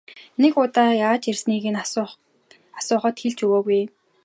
Нэг удаа яаж ирснийг нь асуухад хэлж өгөөгүй.